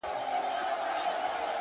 هر منزل د هڅو پایله وي!.